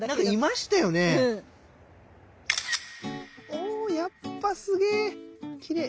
おやっぱすげきれい！